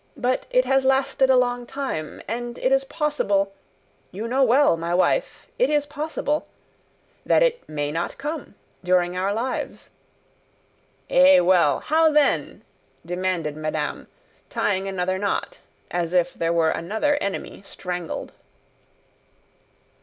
But it has lasted a long time, and it is possible you know well, my wife, it is possible that it may not come, during our lives." "Eh well! How then?" demanded madame, tying another knot, as if there were another enemy strangled.